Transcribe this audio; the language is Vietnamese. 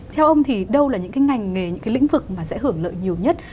theo ông thì đâu là những cái ngành nghề những cái lĩnh vực mà sẽ hưởng lợi nhiều nhất